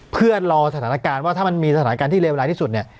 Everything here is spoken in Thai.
เพื่อรอสถานการณ์ว่าถ้ามันมีสถานการณ์ที่เลวร้ายที่สุดเนี่ย